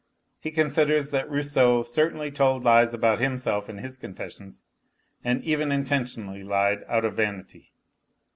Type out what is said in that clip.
He considers that Rousseau certainly told lies about himself in his confessions, and even intentionally lied, out of vanity.